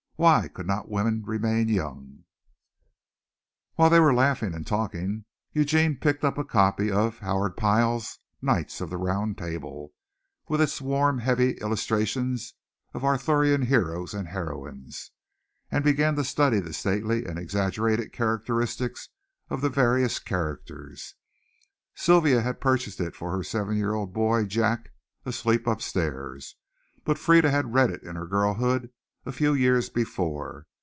Why could not women remain young? While they were laughing and talking, Eugene picked up a copy of Howard Pyle's "Knights of the Round Table" with its warm heavy illustrations of the Arthurian heroes and heroines, and began to study the stately and exaggerated characteristics of the various characters. Sylvia had purchased it for her seven year old boy Jack, asleep upstairs, but Frieda had read it in her girlhood a few years before.